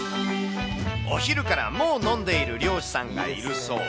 お昼からもう飲んでいる漁師さんがいるそう。